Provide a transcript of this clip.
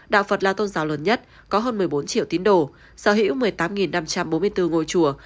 đạo phật là tôn giáo lớn nhất có hơn một mươi bốn triệu tín đồ sở hữu một mươi tám năm trăm bốn mươi bốn ngôi chùa